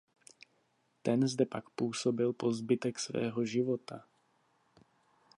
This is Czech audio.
Ten zde pak působil po zbytek svého života.